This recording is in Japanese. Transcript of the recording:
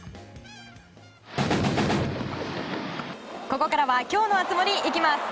ここからは今日の熱盛行きます！